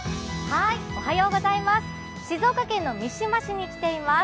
静岡県の三島市に来ています。